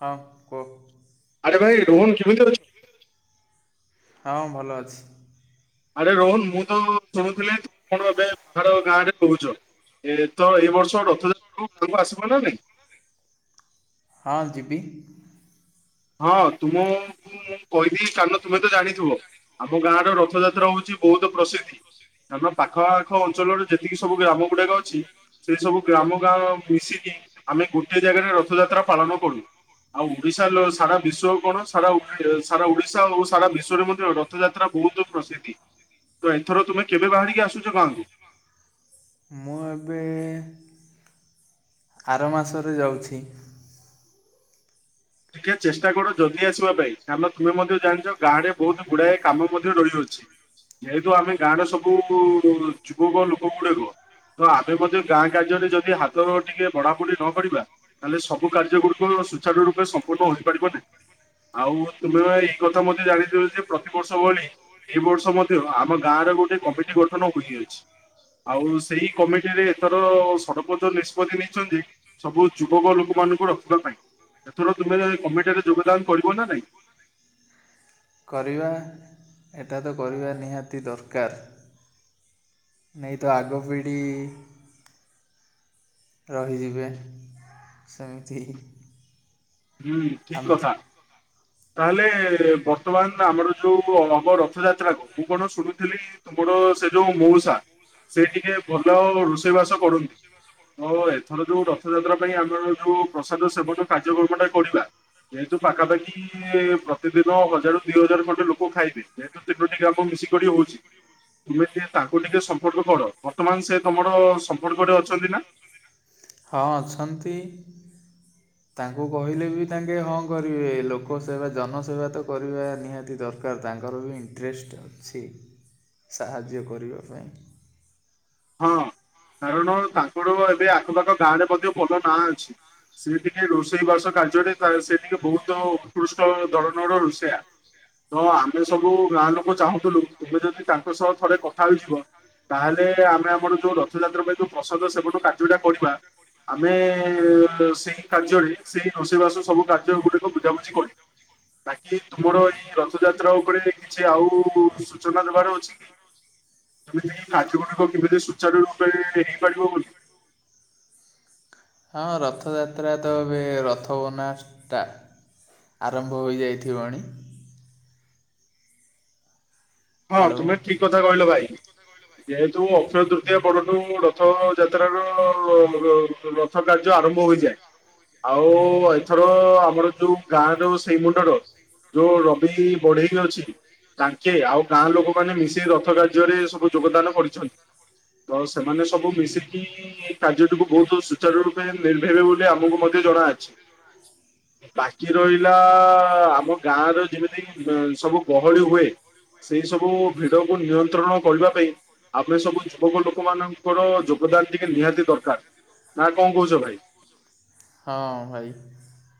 ହଁ କୁହ। ଆରେ ଭାଇ ରୋହନ କିମିତି ଅଛ। ହଁ ଭଲ ଅଛି। ଆରେ ରୋହନ ମୁଁ ତ ଶୁଣୁଥିଲି ତୁମେ କଣ ଏବେ ବାହାର ଗାଁ ରେ ରହୁଛ। ଏ ତ ଏଇ ବର୍ଷ ରଥଯାତ୍ରା କୁ ଆସିବ ନା ନାଇଁ। ହଁ ଯିବି। ହଁ ତୁ ମୁଁ ମୁଁ କହିଦି କାରଣ ତୁମେ ତ ଜାଣିଥିବ ଆମ ଗାଁ ରଥଯାତ୍ରା ହଉଛି ବହୁତ ପ୍ରସିଦ୍ଧି। ଆମ ପାଖ ଆଖ ଅଞ୍ଚଳର ଯେତିକି ସବୁ ଗ୍ରାମ ଗୁଡ଼ାକ ଅଛି ସେ ସବୁ ଗ୍ରାମ ଗାଁ ମିଶିକି ଆମେ ଗୋଟିଏ ଜାଗାରେ ରଥଯାତ୍ରା ପାଳନ କରୁ। ଆଉ ଓଡିଶା ଲସ୍ ସାରା ବିଶ୍ଵ କଣ ସାରା ଓ ସାରା ଓଡିଶା ଓ ସାରା ବିଶ୍ଵରେ ମଧ୍ୟ ରଥଯାତ୍ରା ବହୁତ ପ୍ରସିଦ୍ଧି। ତ ଏଥର ତୁମେ କେବେ ବାହାରିକି ଆସୁଛ ଗାଁକୁ। ହଁ ଏବେ ଆର ମାସରେ ଯାଉଛି। ଟିକେ ଚେଷ୍ଟା କର ଜଲଦି ଆସିବା ପାଇଁ କାରଲେ ତୁମେ ମଧ୍ୟ ଜାଣିଛ ଗାଁ ରେ ବହୁତ ଗୁଡ଼ାଏ କାମ ମଧ୍ୟ ରହିଅଛି। ଯେହେତୁ ଆମେ ଗାଁରେ ସବୁ ଯୁବକ ଲୋକ ଗୁଡାକ ତ ଆମେ ମଧ୍ୟ ଗାଁ କାର୍ଯ୍ୟରେ ଯଦି ହାତ ନ ଟିକେ ବଢ଼ାବଢି ନ କରିବା ତାହେଲେ ସବୁ କାର୍ଯ୍ୟ ଗୁଡିକ ସୁଚାର ରୂପେ ସମ୍ପୂର୍ଣ୍ଣ ହୋଇପାରିବ ନାହି। ଆଉ ତୁମେ ଭାଇ ଏଇ କଥା ମଧ୍ୟ ଜାଣିଥିବ ଯେ ପ୍ରତିବର୍ଷ ଭଳି ଏଇ ବର୍ଷ ମଧ୍ୟ ଆମ ଗାଁରେ ଗୋଟେ କମିଟି ଗଠନ ହୋଇଅଛି। ଆଉ ସେଇ କମିଟିରେ ଏଥର ସରପୋଞ୍ଚ ନିଷ୍ପତି ନେଇଛନ୍ତି। ସବୁ ଯୁବକ ଲୋକମାନଙ୍କୁ ରଖିବା ପାଇଁ ଏଥର ତୁମେ କମିଟିରେ ଯୋଗଦାନ କରିବ ନା ନାଇଁ। କରିବା ଏଟା ତ କରିବା ନିହାତି ଦରକାର। ନହିଁ ତ ଆଗପିଢ଼ି ରହିଯିବେ ସେମିତି ହୁଁ ଠିକ ଆମେ କଥା। ତାହେଲେ ବର୍ତ୍ତମାନ ଆମର ଯୋଉ ହବ ରଥଯାତ୍ରା କୁ ମୁଁ କଣ ଶୁଣୁଥିଲି ତୁମର ସେ ଯୋଉ ମଉସା ସେ ଟିକେ ଭଲ ରୋଷେଇ ବାସ କରନ୍ତି। ତ ଏଥର ଯୋଉ ରଥଯାତ୍ରା ପାଇଁ ଆମର ଯୋଉ ପ୍ରସାଦ ସେବନ କାର୍ଯ୍ୟକ୍ରମ ଟା ପଡିବା ଯେହେତୁ ପାଖାପାଖି ଖି ପ୍ରତିଦିନ ହଜାରରୁ ଦି ହଜାର ଖଣ୍ଡେ ଲୋକ ଖାଇବେ ଯେହେତୁ ତିନୋଟି ଗ୍ରାମ ମିଶିିକ ହଉଛି। ତୁମେ ଟିକେ ତାଙ୍କୁ ଟିକେ ସମ୍ପର୍କ କର ବର୍ତ୍ତମାନ ସେ ତମର ସମ୍ପର୍କରେେ ଅଛନ୍ତି ନା। ହଁ ଅଛନ୍ତି। [inaudible] ତାଙ୍କୁ କହିଲେ ବି ତାଙ୍କେ ହଁ କରିବେ ଲୋକ ସେବା ଜନସେବା ତ କରିବା ନିହାତି ଦର କାର ତାଙ୍କର ବି ଇଣ୍ଟରେଷ୍ଟ ଅଛି ସାହାଯ୍ୟ କରିବା ପାଇଁ। ହଁ କାରଣ ତାଙ୍କର ଏବେ ଆଖପାଖ ଗାଁରେ ମଧ୍ୟ ଭଲ ନାଁ ଅଛି। ସିଏ ଟିକେ ରୋଷେଇବାସ କାର୍ଯ୍ୟଟେ କରେ ସେଲାଗି ବହୁତ ଉତ୍କୃଷ୍ଟ ଧରଣର ରୋଷେଇଆ। ତ ଆମେ ସବୁ ଗାଁ ଲୋକ ଚାହୁଁଥିଲୁ ତୁମେ ଯଦି ତାଙ୍କ ସହ ଥରେ କଥା ହେଇଯିବ ତାହେଲେ ଆମେ ଆମର ଯୋଉ ରଥଯାତ୍ରା ପାଇଁ ଯୋଉ ପ୍ରସଦ ସେବନ କାର୍ଯ୍ୟଟା କରିବା ଆମେ ସେହି କାର୍ଯ୍ୟରି ସେହି ରୋଷେଇବାସ ସବୁ କାର୍ଯ୍ୟ ଗୁଡ଼ିକ ବୁଝାବୁଝି କରି ବାକି ତୁମର ଇ ରଥଯାତ୍ରା ଉପରେ କିଛି ଆଉ ସୂଚନା ଦେବାର ଅଛି କି? ତମେ ଯେ କାର୍ଯ୍ୟ ଗୁଡିକ [unintelligible] ସୁଚରିୟ ରୂପେ ହେଇପାରିବ ବୋଲି। ହଁ ରଥଯାତ୍ରା ତ ଏବେ ରଥ ବନା ଷ୍ଟା ଆରମ୍ଭ ହୋଇଯାଇଥିବଣି। ହଁ ହ୍ୟାଲୋ ତୁମେ ଠିକ କଥା ରହିଲ ଭାଇ। ଯେହେତୁ ଅକ୍ଷୟ ତୃତୀୟ ପରଠୁ ରଥ ଯାତ୍ରାର ର ର ର ଥ କାର୍ଯ୍ୟ ଆରମ୍ଭ ହୋଇଯଏ। ଆଉ ଏଇଥର ଆମର ଯୋଉ ଗାଁ ର ସେଇ ମୁଣ୍ଡର ଯୋଉ ରବି ବଢେଇ ଅଛି ତାଙ୍କେ ଆଉ ଗାଁ ଲୋକମାନେ ମିସେଇ ରଥ କାର୍ଯ୍ୟରେ ସବୁ ଯୋଗଦାନ କରିଛନ୍ତି। ତ ସେମାନେ ସବୁ ମିଶିକି କାର୍ଯ୍ୟଟିକୁ ବହୁତ ସୁଚାର ରୂପେ ନିର୍ଭେଇବେ ବୋଲି ଆମକୁ ମଧ୍ୟ ଜଣାଅଛି। ବାକି ରହିଲା ଆମ ଗାଁର ଯେମିତି ସବୁ ଗହଳି ହୁଏ ସେଇ ସବୁ ଭିଡକୁ ନିୟନ୍ତ୍ରଣ କରିବା ପାଇଁ ଆମେ ସବୁ ଯୁବକ ଲୋକ ମାନଙ୍କର ଯୋଗଦାନ ଟିକେ ନିହାତି ଦରକାର। ନା କଁ କହୁଛ ଭାଇ? ହଁ ଭାଇ।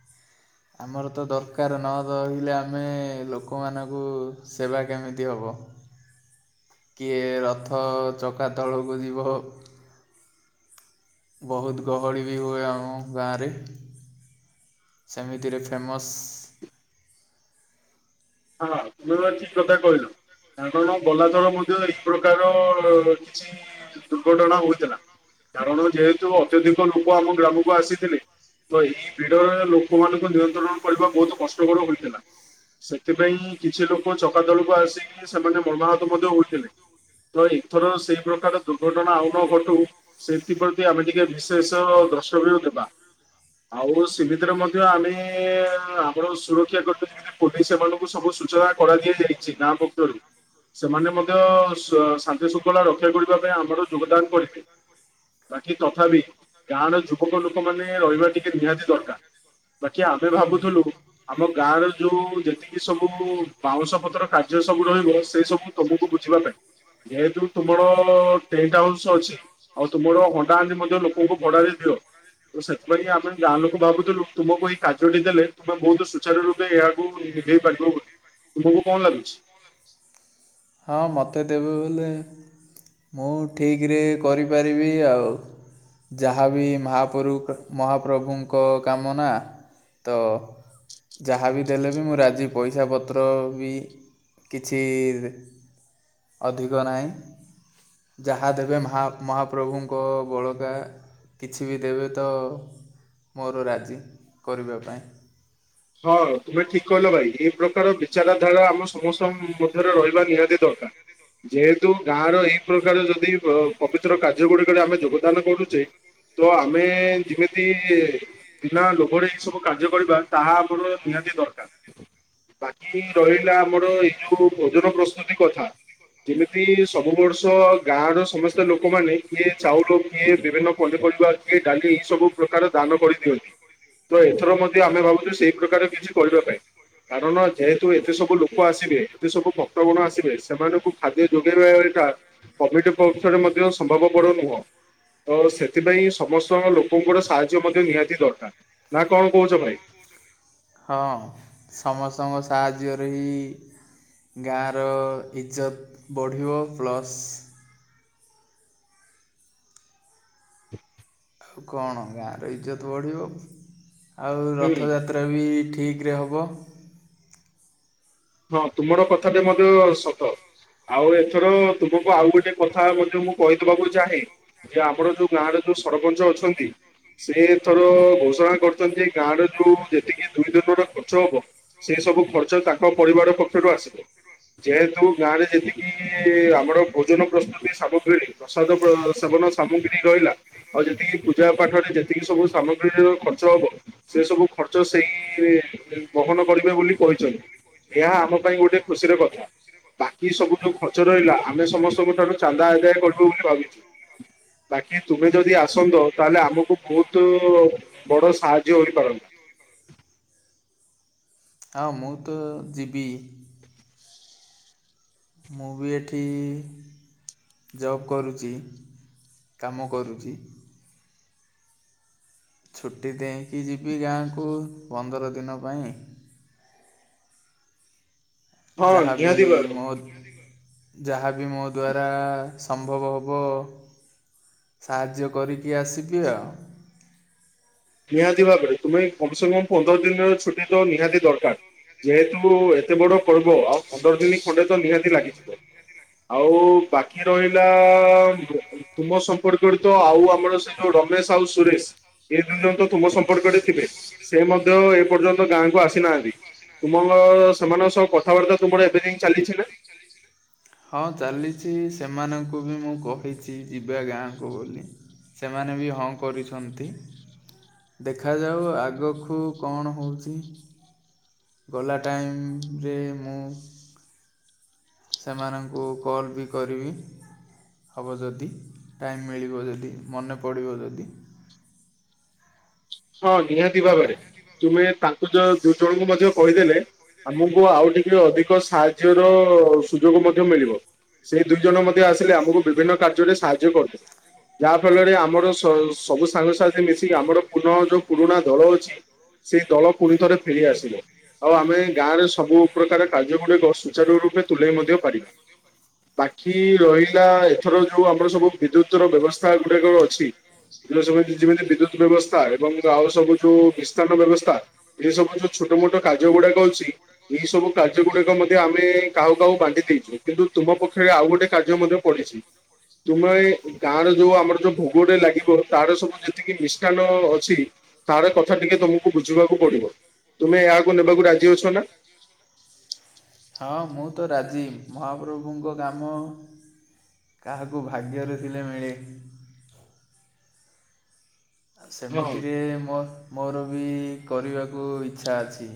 [inaudible] ଆମର ତ ଦରକାର ନ ରହିଲେ ଆମେ ଲୋକମାନଙ୍କୁ ସେବା କେମିତି ହେବ। [inaudible] କିଏ ରଥ ଚକା ତଳକୁ ଯିବ ବହୁତ ଗହଳି ବି ହୁଏ ଆମ ଗାଁରେ। ସେମିତିରେ ଫେମସ୍। ହଁ ତୁମେ ଏବେ ଠିକ୍ କଥା କହିଲ। ତାଙ୍କର କଁ ଗଲାଥର ମଧ୍ୟ ଏହି ପ୍ରକାରର କିଛି ଦୁର୍ଘଟଣା ହୋଇଥିଲା। କାରଣ ଯେହେତୁ ଅତ୍ୟଧିକ ଲୋକ ଆମ ଗ୍ରାମକୁ ଆସିଥିଲେ ତ ଏହି ଭିଡରେ ଲୋକମାନଙ୍କ ନିୟନ୍ତ୍ରଣ କରିବା ବହୁତ କଷ୍ଟକର ହୋଇଥିଲା। ସେଥିପାଇଁ କିଛି ଲୋକ ଚକାତଳକୁ ଆସିକି, ସେମାନେ ମନାହାତ ମଧ୍ୟ ହୋଇଥିଲେ। ତ ଏଥର ସେଇ ପ୍ରକାର ଦୁର୍ଘଟଣା ଆଉ ନ ଘଟୁ ସେଥିପ୍ରତି ଆମେ ଟିକେ ଭିଶେଷ ଦ୍ରଷ୍ଟବେୟ ଦେବା। ଆଉ ସିମିତିରେ ମଧ୍ୟ ଆମେ, ଆମର ସୁରକ୍ଷା କର୍ମୀ ପୋଲିସ ଏମାନ କୁ ସବୁ ସୂଚନା କରା ଦିଆଯାଇଚି ଗାଁ ପକ୍ଷରୁ। ସେମାନେ ମଧ୍ୟ ଶ ଶାନ୍ତିଶୃଙ୍ଖଳା ରକ୍ଷା କରିବା ପାଇଁ ଆମର ଯୋଗଦାନ କରିଥାଏ ବାକି ତଥାବି ଗାଁର ଯୁବକ ଲୋକ ମାନେ ରହିବା ଟିକେ ନିହାତି ଦରକାର। ବାକି ଆମେ ଭାବୁଥିଲୁ ଆମ ଗାଁର ଯୋଉ ଯେତି କି ସବୁ ବାଉଁଶ ପତ୍ର କାର୍ଯ୍ୟ ସବୁ ରହିବ ସେ ସବୁ ତମକୁ ବୁଝିବା ପାଇଁ। ଏ ଯେଉଁ ତୁମର ଟେଣ୍ଟ ହାଉସ୍ ଅଛି ଆଉ ତୁମର ହଣ୍ଡାହାଣ୍ଡି ମଧ୍ୟ ଲୋକଙ୍କୁ ଭଡା ରେ ଦିଅ ସେଥିପାଇଁ ଆମେ ଗାଁ ଲୋକ ଭାବୁଥିଲୁ ତୁମକୁ ଏଇ କାର୍ଯ୍ୟଟି ଦେଲେ ତୁମେ ବହୁତ ସୁଚାର ରୂପେ ଏହାକୁ ହେଇପାରିବ ବୋଲି ତୁମକୁ କଣ ଲାଗୁଛି? ହଁ ମୋତେ ଦେବେ ବେଲେ ମୁଁ ଠିକରେ କରିପାରିବି ଆଉ। ଯାହାବି ମାହାପରୁ ମହାପ୍ରଭୁଙ୍କ କାମ ନା। ତ ଯାହାବିି ଦେଲେବି ମୁଁ ରାଜିି ପଇସା ପତ୍ର ବି କିଛି ଅଧିକ ନାହିଁ ଯାହା ଦେବେ ମାହା ମହା ମହାପ୍ରଭୁଙ୍କ ବଳକା କିଛି ବି ଦେବେତ ମୋର ରାଜି କରିବା ପାଇଁ। ହଁ ତୁମେ ଠିକ୍ କହିଲ ଭାଇ, ଏଇ ପ୍ରକାର ବିଚାରଧାରା ଆମ ସମସ୍ତ ଙ୍କ ମଧ୍ୟରେ ରହିବା ନିହାତି ଦରକାର। ଯେହେତୁ ଗାଁର ଏହି ପ୍ରକାର ଯଦି ପବିତ୍ର କାର୍ଯ୍ୟ ଗୁଡିକରେ ଆମେ ଯୋଗଦାନ କରୁଚେ ତ ଆମେ ଯେମିତି ବିନା ଲୋଭରେ ଏସବୁ କାର୍ଯ୍ୟ କରିବା ତାହା ଆମର ନିହାତି ଦରକାର, ବାକି ରହିଲା ଆମର ତ ଏଇ ଯୋଉ ଭୋଜନ ପ୍ରସ୍ତୁତି କଥା, ଯେମିତି ସବୁ ବର୍ଷ ଗାଁର ସମସ୍ତେ ଲୋକମାନେ, କିଏ ଚାଉଳ କିଏ ବିଭିନ୍ନ ପନିପରିବା କିଏ ଡାଲି ସବୁ ପ୍ରକାର ଦାନ କରିଦିଅନ୍ତି, ତ ଏଥର ମଧ୍ୟ ଆମେ ଭାବୁଚୁ ସେଇ ପ୍ରକାର କିଛି କରିବା ପାଇଁ, କାରଣ ଯେହେତୁ ଏତେ ସବୁ ଲୋକ ଆସିବେ ଏତେସବୁ ଭକ୍ତଗଣ ଆସିବେ, ସେମାନଙ୍କୁ ଖାଦ୍ୟ ଯୋଗେଇବା [unintelligible] କମିଟି ପକ୍ଷରେ ମଧ୍ୟ ସମ୍ଭବପର ନୁହଁ। ତ ସେଥିପାଇଁ ସମସ୍ତଙ୍କ ଲୋକଙ୍କର ସାହାଯ୍ୟ ମଧ୍ୟ ନିହାତି ଦରକାର, ନା କଣ କହୁଛ ଭାଇ? ହଁ, ସମସ୍ତଙ୍କ ସାହାଯ୍ୟରେ ହି ଗାଁର ଇଜ୍ଜତ୍ ବଢ଼ିବ, ପ୍ଲସ କଣ ଗାଁର ଇଜ୍ଜତ୍ ବଢ଼ିବ, ଆଉ ହୁଁ। ରଥଯାତ ତ୍ରା ବି ଠିକରେ ହବ। ହଁ ତୁମର କଥାଟେ ମଧ୍ୟ ସତ। ଆଉ ଏଥର ତୁମକୁ ଆଉ ଗୋଟେ କଥା ମଧ୍ୟ ମୁଁ କହିଦବାକୁ ଚାହେଁ। ଯେ ଆମର ଯୋଉ ଗାଁର ଯୋଉ ସରପଞ୍ଚ ଅଛନ୍ତି ସେ ଏଇଥର ଘୋଷଣା କରିଚନ୍ତି, ଗାଁର ଯୋଉ ଯେତିକି ଦୁଇ ଦିନର ଖର୍ଚ୍ଚ ହେବ ସେ ସବୁ ଖର୍ଚ୍ଚ ତାଙ୍କ ପରିବାର ପକ୍ଷରୁ [unintelligible] ଯେହେତୁ ଗାଁରେ ଯେତିକି ଆମର ଭୋଜନ ପ୍ରସ୍ତୁତି ସାମଗ୍ରୀ ପ୍ରସାଦ ପ୍ର ସେବନ ସାମଗ୍ରୀ ରହିଲା ଆଉ ଯେତିକି ପୂଜା ପାଠରେ ଯେତିକି ସବୁ ସାମଗ୍ରୀର ଖର୍ଚ୍ଚ ହବ ସେ ସବୁ ଖର୍ଚ୍ଚ ସେଇ ବହନ କରିବେ ବୋଲି କହିଛନ୍ତି। ଏହା ଆମ ପାଇଁ ଗୋଟେ ଖୁସିର କଥା। ବାକି ସବୁ ଯୋଉ ଖର୍ଚ୍ଚ ରହିଲା ଆମେ ସମସ୍ତଙ୍କ ଠାରୁ ଚାନ୍ଦା ଆଦାୟ କରିବୁ ବୋଲି ଭାବିଛୁ। ବାକି ତୁମେ ଯଦି ଆସନ୍ତ ତାହେଲେ ଆମକୁ ବହୁତୁ ବଡ ସାହାଯ୍ୟ ହୋଇପାରନ୍ତା। ଆଉ ମୁଁ ତ ଯିବି। ମୁଁ ବି ଏଠି ଜବ୍ କରୁଚି, କାମ କରୁଚି। ଛୁଟି ଦେଇଁକି ଯିବି ଗାଁକୁ ପନ୍ଦର ଦିନ ପାଇଁ। ହଁ ଯାହା ବିି ନିହାତି ଭାବରେ ମୋ ଯାହା ବି ମୋ ଦ୍ୱାରା ସମ୍ଭବ ହବ ସାହାଯ୍ୟ କରିକି ଆସିବି ଆଉ। ନିହାତି ଭାବରେ ତୁମେ କମ୍ ସେ କମ୍ ପନ୍ଦର ଦିନର ଛୁଟି ତ ନିହାତି ଦରକାର୍। ଯେହେତୁ ଏତେବଡ ପର୍ବ ଆଉ ପନ୍ଦର ଦିନି ଖଣ୍ଡେ ତ ନିହାତି ଲାଗିଯିବ। ଆଉ ବାକି ରହିଲା ତୁମ ସମ୍ପର୍କରେ ତ ଆଉ ଆମର ସେ ଯୋଉ ରମେଶ୍ ଆଉ ସୁରେଶ୍ ପର୍ଯ୍ୟନ୍ତ ତୁମ ସମ୍ପର୍କରେ ଥିବେ ସେ ମଧ୍ୟ ଏପର୍ଯ୍ୟନ୍ତ ଗାଁକୁ ଆସିନାହାନ୍ତି। ତୁମ [unintelligible] ସେମାନଙ୍କ ସହ କଥାବାର୍ତ୍ତା ତୁମର ଏବେ ଯାଙ୍କେ ଚାଲିଛି ନା? ଚାଲିଛି ନା? ହଁ ଚାଲିଛି ସେମାନଙ୍କୁ ବି ମୁଁ କହିଛି ଯିବା ଗାଁକୁ ବୋଲି। ସେମାନେ ବି ହଁ କରୁଛନ୍ତି। ଦେଖାଯାଉ ଆଗଖୁ କଣ ହେଉଚି। ଗଲା ଟାଇମ୍ ରେ ମୁଁ ସେମାନଙ୍କୁ କଲ୍ ବି କରିବି। ହେବ ଯଦି ଟାଇମ୍ ମିଳିବ ଯଦି ମନେ ପଡ଼ିବ ଯଦି ହଁ ନିହାତି ଆଜ୍ଞା ଭାବରେ ତୁମେ ତାଙ୍କୁ ଯୋଉ ଦୁଇ ଜଣଙ୍କୁ ମଧ୍ୟ କହିଦେଲେ ଆମକୁ ଆଉ ଟିକେ ଅଧିକ ସାହାଯ୍ୟର ସୁଯୋଗ ମଧ୍ୟ ମିଳିବ। ସେଇ ଦୁଇ ଜଣ ମଧ୍ୟ ଆସିଲେ ଆମକୁ ବିଭିନ୍ନ କାର୍ଯ୍ୟରେ ସାହାଯ୍ୟ କରିଦେବେ ଯାହା ଫଳରେ ଆମର ସ ସବୁ ସାଙ୍ଗସାଥି ମିଶିକି ଆମର ଯଉ -ଯଉ ପୁରୁଣା ଦଳ ଅଛି ସେଇ ଦଳ ପୁଣି ଥରେ ଫେରି ଆସିବ ଆଉ ଆମେ ଗାଁରେ ସବୁ ପ୍ରକାର କାର୍ଯ୍ୟଗୁଡ଼ିକ ସୁଚାରୁ ରୂପେ ତୁଲାଇ ମଧ୍ୟ ପାରିବ। ବାକି ରହିଲା ଏଥର ଯଉ ଆମର ସବୁ ବିଦ୍ୟୁତ୍ ର ବ୍ୟବସ୍ଥା ଗୁଡାକ ଅଛି ଯଉ ସବୁ ଯେମିତି ବିଦ୍ୟୁତ୍ ବ୍ୟବସ୍ଥା ଏବଂ ଆଉ ସବୁ ଯଉ ମିଷ୍ଟାନ୍ନ ବ୍ୟବସ୍ଥା ଏ ସବୁ ଯଉ ଛୋଟ ମୋଟ କାର୍ଯ୍ୟ ଗୁଡାକ ଅଛି ଏଇ ସବୁ କାର୍ଯ୍ୟ ଗୁଡିକ ମଧ୍ୟ ଆମେ କାହାକୁ କାହାକୁ ବାଣ୍ଟି ଦେଇଚୁ କିନ୍ତୁ ତୁମ ପକ୍ଷରେ ଆଉ ଗୋଟେ କାର୍ଯ୍ୟ ମଧ୍ୟ ପଡିଚି। ତୁମେ ଗାଁର ଯଉ ଆମର ଯଉ ଭୋଗ ଟେ ଲାଗିବ ତାର ସବୁ ଯେତିକି ମିଷ୍ଟାନ୍ନ ନ ଅଛି ତାର କଥା ଟିକେ ତୁମକୁ ବୁଝିବାକୁ ପଡିବ ତୁମେ ଏହାକୁ ନେବାକୁ ରାଜି ଅଛ ନା? ହଁ ମୁଁ ତ ରାଜି ମହାପ୍ରଭୁଙ୍କ କାମ କାହାକୁ ଭାଗ୍ୟରେ ଥିଲେ ମିଳେ। ହଁ ସେମିତିରେ ମ-ମୋର ବି କରିବାକୁ ଇଚ୍ଛା ଅଛି।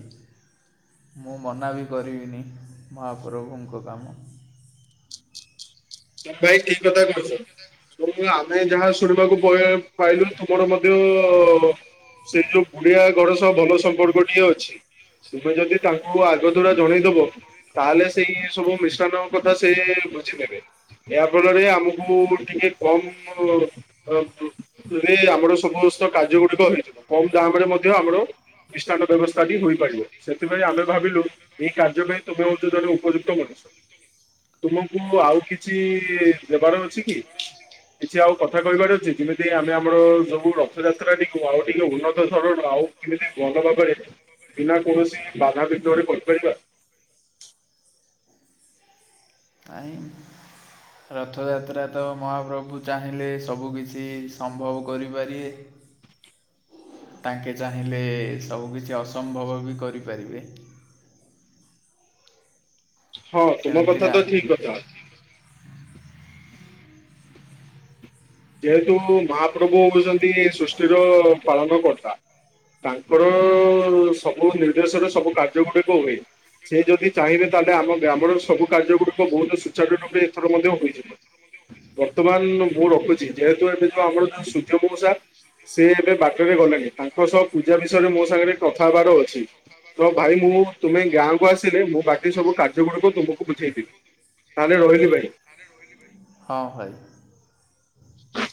ମୁଁ ମନା ବି କରିବିନି ମହାପ୍ରଭୁଙ୍କ କାମ। ତମେ ଭାଇ ଠିକ୍ କଥା କହୁଚ। ଏଁ-ଆମେ ଯାହା ଶୁଣିବାକୁ ପଏ- ପାଇଲୁ ତୁମର ମଧ୍ୟ ସେଇ ଯଉ ଗୁଡିଆ ଘର ସହ ଭଲ ସମ୍ପର୍କଟିଏ ଅଛି। ତୁମେ ଯଦି ତାଙ୍କୁ ଆଗ ତୁରା ଜଣେଇଦବ ତାହେଲେ ସେଇ ସବୁ ମିଷ୍ଟାନ୍ନ କଥା ସେ ବୁଝି ନେବେ। ଏହା ଫଳରେ ଆମକୁ ଟିକେ କମ୍ ଅ ଯିଏ ଆମର ସମସ୍ତ କାର୍ଯ୍ୟ ଗୁଡିକ ହେଇଯିବ କମ୍ ଦାମ୍ ରେ ମଧ୍ୟ ଆମର ମିଷ୍ଟାନ୍ନ‌ ବ୍ୟବସ୍ଥାଟି ହୋଇପାରିବ ସେଥିପାଇଁ ଆମେ ଭାବିଲୁ ଏଇ କାର୍ଯ୍ୟ ପାଇଁ ତମେ ହଉଚ ଜଣେ ଉପଯୁକ୍ତ ମଣିଷ ତୁମକୁ ଆଉ କି ଛି ଦେବାର ଅଛି କି? କିଛି ଆଉ କଥା କହିବାର ଅଛି ଯେମିତି ଆମେ ଆମର ସବୁ ର ରଥଯାତ୍ରା ଟିକୁ ଆଉ ଟିକେ ଉନ୍ନତ ଧରଣ ଆଉ କେମିତି ଭଲ ଭାବରେ ବିନା କୌଣସି ବାଧା ବିିଘ୍ନରେ କରିପାରିବା ପାଇଁ। ରଥଯାତ୍ରା ତ ମହାପ୍ରଭୁ ଚାହିଁଲେ ସବୁ କିଛି ସମ୍ଭବ କରିପାରିବେ। ହ ତାଙ୍କେ ଚାହିଁଲେ ସବୁ କିିଛି ଅସମ୍ଭବ ବି କରିପାରିବେ। ହଁ ତୁମ କଥା ସେମିତିରେ ତ ଠିକ୍ କଥା। ଯେହେତୁ ମହାପ୍ରଭୁ ହଉଚନ୍ତି ସୃଷ୍ଟିର ପାଳନ କର୍ତ୍ତା। ତାଙ୍କର ସବୁ ନିର୍ଦ୍ଦେଶରେ ସବୁ କାର୍ଯ୍ୟ ଗୁଡ଼ିକ ହୁଏ। ସେ ଯଦି ଚାହିଁବେ ତାହେଲେ ଆମ ଗ୍ରାମର ସବୁ କାର୍ଯ୍ୟଗୁଡ଼ିକ ବହୁତ ସୁଚାରୁ ରୂପେ ଏଥର ମଧ୍ୟ ହୁଏ। ବର୍ତ୍ତମାନ ମୁଁ ରଖୁଚି ଯେହେତୁ ଏବେ ଯଉ ଆମର ଯଉ ସୂର୍ଯ୍ୟ ମଉସା ସେ ଏବେ ବାଟରେ ଗଲେଣିି ତାଙ୍କ ସହ ପୂଜା ବିଷୟରେ ମୋ ସାଙ୍ଗରେ କଥା ହବାର ଅଛି। ତ ଭାଇ ମୁଁ ତୁମେ ଗାଁକୁ ଆସିଲେ ମୁଁ ବାକି ସବୁ କାର୍ଯ୍ୟ ଗୁଡିକ ତୁମକୁ ବୁଝେଇଦେବି ତାହେଲେ ରହିଲି ଭାଇ। ହଁ ଭାଇ। ହଁ